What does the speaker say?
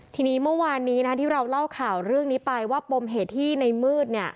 ทีนี้เมื่อวานนี้ที่เราเล่าข่าวเรื่องนี้ไปว่าปมเหตุที่ในมืด